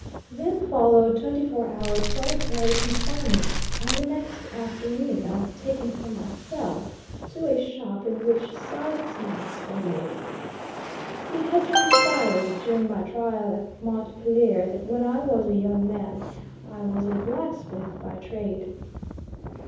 Then followed twenty four hours solitary confinement, and the next afternoon I was taken from my cell to a shop in which scythe snaths were made. It had transpired during my trial at Montpelier, that when I was a young man, I was a blacksmith by trade.